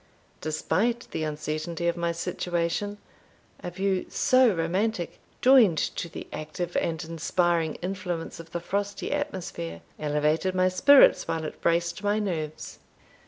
Despite the uncertainty of my situation, a view so romantic, joined to the active and inspiring influence of the frosty atmosphere, elevated my spirits while it braced my nerves.